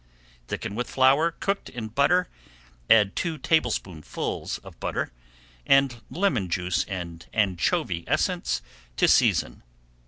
Thicken with flour cooked in butter, add two tablespoonfuls of butter, and lemon juice and anchovy essence to season.